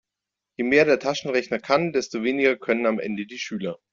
Je mehr der Taschenrechner kann, desto weniger können am Ende die Schüler.